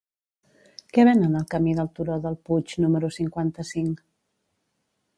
Què venen al camí del Turó del Puig número cinquanta-cinc?